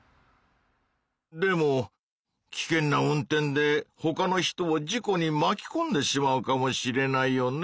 でもきけんな運転でほかの人を事故にまきこんでしまうかもしれないよね？